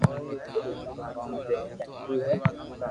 ماري ايڪ فآملي ھي